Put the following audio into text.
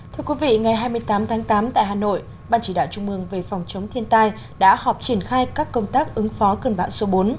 thưa quý vị ngày hai mươi tám tháng tám tại hà nội ban chỉ đạo trung mương về phòng chống thiên tai đã họp triển khai các công tác ứng phó cơn bão số bốn